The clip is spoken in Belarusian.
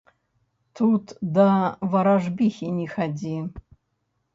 Тут да варажбіхі не хадзі.